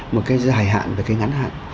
một cái dài hạn và cái ngắn hạn